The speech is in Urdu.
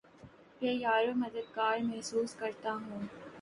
بے یارومددگار محسوس کرتا ہوں